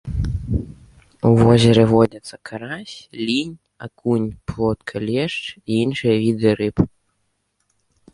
У возеры водзяцца карась, лінь, акунь, плотка, лешч і іншыя віды рыб.